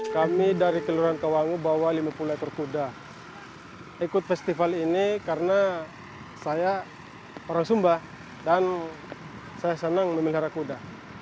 kami dari kelurahan tawangu bawa lima puluh ekor kuda ikut festival ini karena saya orang sumba dan saya senang memelihara kuda